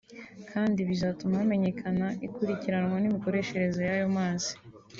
kandi bizatuma hamenyekana ikurikiranwa n’imikoreshereze y’ayo mazi